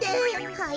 はい？